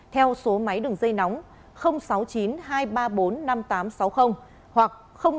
theo số máy đường dây nóng sáu mươi chín hai trăm ba mươi bốn năm nghìn tám trăm sáu mươi hoặc sáu mươi chín hai trăm ba mươi hai một nghìn sáu trăm